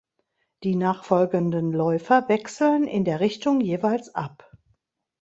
Die nachfolgenden Läufer wechseln in der Richtung jeweils ab.